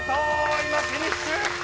今フィニッシュ！